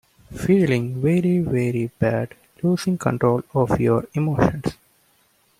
Feeling very, very bad, losing control of your emotions.